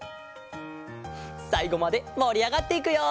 さいごまでもりあがっていくよ！